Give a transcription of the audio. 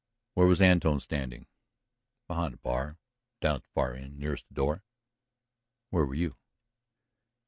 "Where was Antone standing?" "Behind the bar; down at the far end, nearest the door." "Where were you?"